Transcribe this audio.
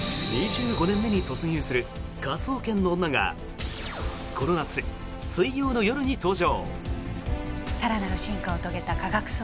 ２５年目に突入する「科捜研の女」がこの夏、水曜の夜に登場！